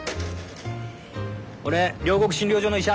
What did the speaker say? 俺両国診療所の医者。